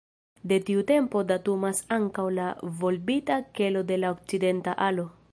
De tiu tempo datumas ankaŭ la volbita kelo de la okcidenta alo.